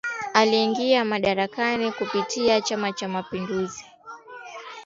Aliingia madarakani kupitia chama Cha Mapinduzi